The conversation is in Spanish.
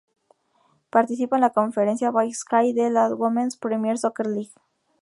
Participa en la conferencia Big Sky de la Women's Premier Soccer League.